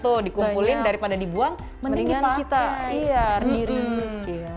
pakai cd nah pasti banyak tuh dikumpulin daripada dibuang mendingan kita iya di reuse